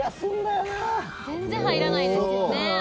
全然入らないですよね。